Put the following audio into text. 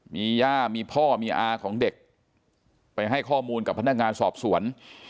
มีย่ามีพ่อมีอาของเด็กไปให้ข้อมูลกับพนักงานสอบสวน